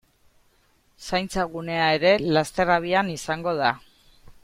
Zaintza gunea ere laster abian izango da.